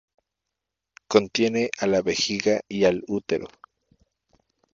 Contiene a la vejiga y al útero.